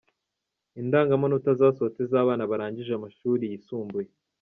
indanga manota zasohotse zabana barangije amashuri yisumbuye.